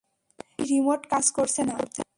এই রিমোট কাজ করছে না।